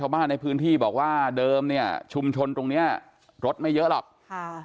บ้านในพื้นที่บอกว่าเดิมเนี่ยชุมชนตรงเนี้ยรถไม่เยอะหรอกค่ะ